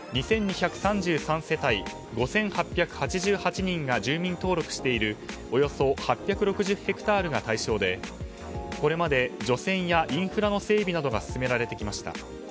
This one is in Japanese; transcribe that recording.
世帯５８８８人が住民登録しているおよそ８６０ヘクタールが対象でこれまで除染やインフラの整備などが進められてきました。